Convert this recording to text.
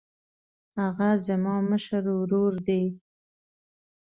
هغه زما مشر ورور دی